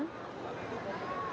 kemudian terjadi keributan dan pebakaran